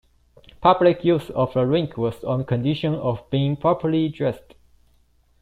Public use of the rink was on condition of being "properly dressed".